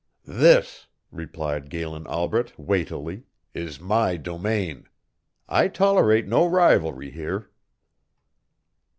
"This," replied Galen Albret, weightily, "is my domain. I tolerate no rivalry here."